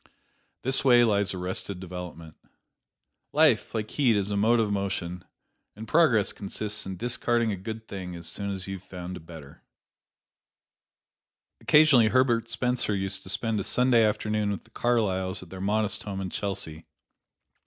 This way lies arrested development. Life, like heat, is a mode of motion, and progress consists in discarding a good thing as soon as you have found a better. Occasionally Herbert Spencer used to spend a Sunday afternoon with the Carlyles at their modest home in Chelsea.